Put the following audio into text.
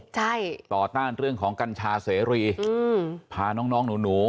ใช่ต่อต้านเรื่องของกัญชาเสรีอืมพาน้องน้องหนู